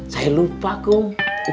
saya lupa kum